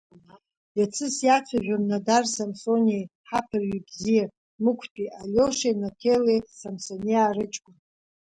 Иацы сиацәажәон Нодар Самсониа ҳаԥырҩы бзиа, Мықәтәи, Алиошеи Наҭелеи Самсаниаа рыҷкәын.